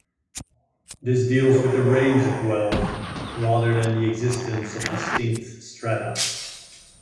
This deals with the range of wealth, rather than the existence of distinct strata.